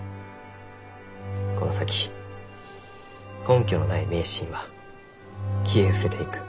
この先根拠のない迷信は消えうせていく。